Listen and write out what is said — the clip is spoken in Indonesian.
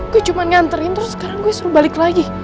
gue cuman nganterin terus sekarang gue disuruh balik lagi